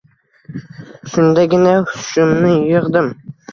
Shundagina hushimni yigʼdim.